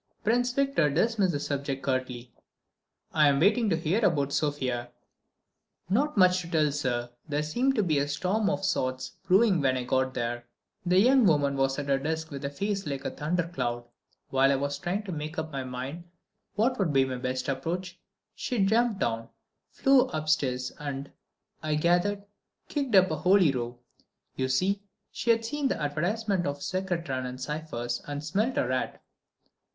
Prince Victor dismissed the subject curtly. "I am waiting to hear about Sofia." "Not much to tell, sir. There seemed to be a storm of sorts brewing when I got there. The young woman was at her desk with a face like a thundercloud. While I was trying to make up my mind what would be my best approach, she jumped down, flew upstairs and, I gathered, kicked up a holy row. You see, she'd seen that advertisement of Secretan & Sypher's, and smelt a rat."